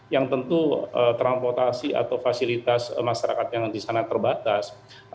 yang tentu transportasi atau fasilitas masyarakat yang di sana terbatas